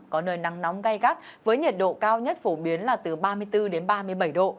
có nơi nắng nóng gai gắt với nhiệt độ cao nhất phổ biến là từ ba mươi bốn đến ba mươi bảy độ